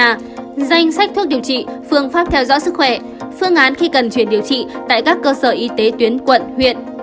danh sách thuốc điều trị phương pháp theo dõi sức khỏe phương án khi cần chuyển điều trị tại các cơ sở y tế tuyến quận huyện